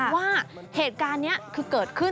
ว่าเหตุการณ์นี้คือเกิดขึ้น